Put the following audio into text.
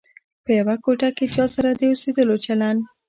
په یوه کوټه کې چا سره د اوسېدلو چلند.